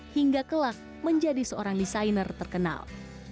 hingga kelak menjadi seorang desainer terkenal